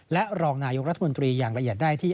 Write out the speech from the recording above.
และรองนายกรัฐมนตรีอย่างละเอียดได้ที่